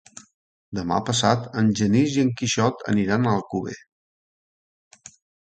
Demà passat en Genís i en Quixot aniran a Alcover.